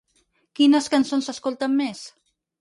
Quines cançons s'escolten més?